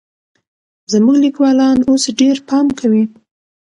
زموږ ليکوالان اوس ډېر پام کوي.